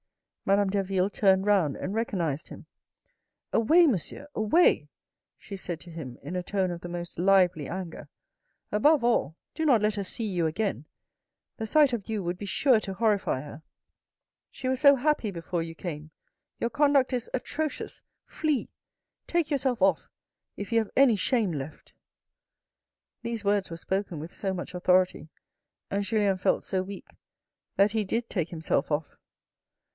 Madame Derville turned round and recognised him. " Away, monsieur, away !" she said to him, in a tone of the most lively anger. "Above all, do not let her see you again. The sight of you would be sure to horrify her. She was so happy tea THE RED AND THE BLACK before you came. Your conduct is atrocious. Flee ! Take yourself off if you have any shame left." These words were spoken with so much authority, and Julien felt so weak, that he did take himself off.